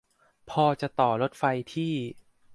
พอจะต่อรถไฟที่